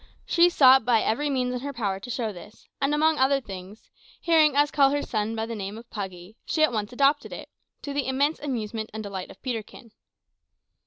She sought by every means in her power to show this, and among other things, hearing us call her son by the name of Puggy, she at once adopted it, to the immense amusement and delight of Peterkin.